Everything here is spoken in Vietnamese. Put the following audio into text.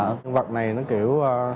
nhân vật này nó kiểu